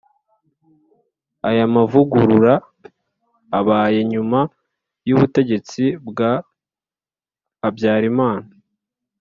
aya mavugurura abaye nyuma y’ubutegetsi bwa habyarimana